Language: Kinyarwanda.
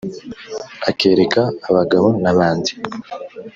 akereka abagabo n'abandi